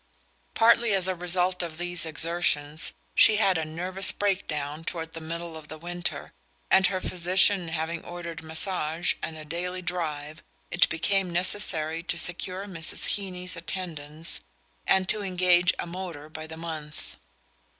Partly as a result of these exertions she had a "nervous breakdown" toward the middle of the winter, and her physician having ordered massage and a daily drive it became necessary to secure Mrs. Heeny's attendance and to engage a motor by the month.